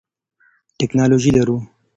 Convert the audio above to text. ټکنالوژي لرو.